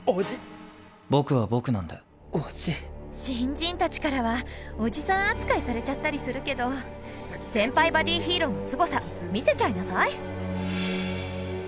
新人たちからはおじさん扱いされちゃったりするけど先輩バディヒーローのすごさ見せちゃいなさい！